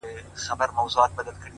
• مه کوه گمان د ليوني گلي ـ